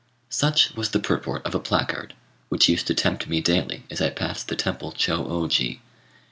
Such was the purport of a placard, which used to tempt me daily, as I passed the temple Chô ô ji.